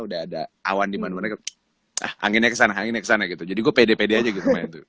udah ada awan dimana mana kepanginnya kesana kesana gitu jadi gue pede pede